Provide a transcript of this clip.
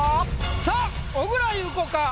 さあ小倉優子か？